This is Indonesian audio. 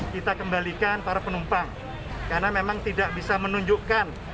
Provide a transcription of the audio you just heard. kita kembalikan para penumpang karena memang tidak bisa menunjukkan